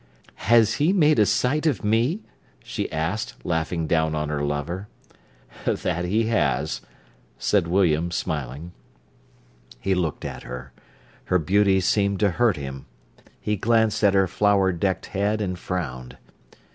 "Has he made a sight of me?" she asked, laughing down on her lover. "That he has!" said William, smiling. He looked at her. Her beauty seemed to hurt him. He glanced at her flower decked head and frowned.